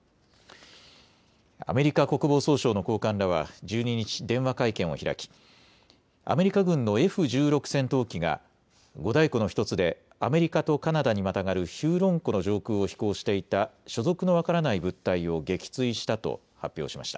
アメリカ国防総省の高官らは１２日、電話会見を開きアメリカ軍のＦ１６戦闘機が五大湖の１つでアメリカとカナダにまたがるヒューロン湖の上空を飛行していた所属の分からない物体を撃墜したと発表しました。